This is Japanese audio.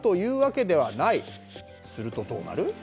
するとどうなる？